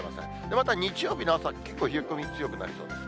また日曜日の朝、結構冷え込み強くなりそうです。